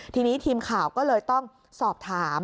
ทีนี้ทีมข่าวก็เลยต้องสอบถาม